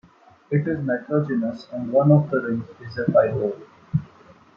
It is nitrogenous, and one of the rings is a pyrrole.